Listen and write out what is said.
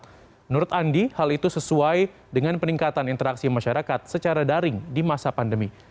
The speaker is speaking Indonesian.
menurut andi hal itu sesuai dengan peningkatan interaksi masyarakat secara daring di masa pandemi